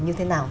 như thế nào